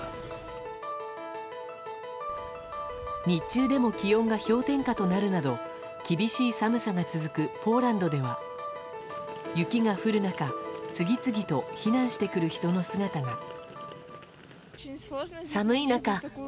日中でも気温が氷点下となるなど厳しい寒さが続くポーランドでは雪が降る中次々と避難してくる人の姿が。